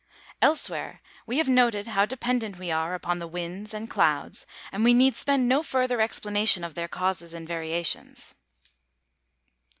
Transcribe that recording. Elsewhere we have noted how dependent we are upon the winds and clouds, and we need spend no further explanation of their causes and variations.